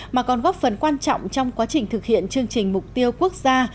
mà còn góp phần quan trọng trong quá trình thực hiện chương trình mục tiêu quốc gia